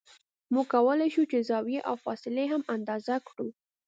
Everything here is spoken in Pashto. موږ کولای شو چې زاویې او فاصلې هم اندازه کړو